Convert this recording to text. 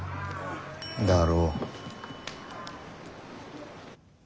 だろ？